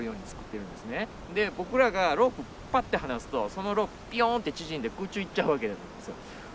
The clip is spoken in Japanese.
で僕らがロープパッて離すとそのロープぴょんって縮んで空中行っちゃうわけなんですよ。